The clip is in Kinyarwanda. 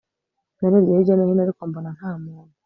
Narebye hirya no hino ariko mbona nta muntu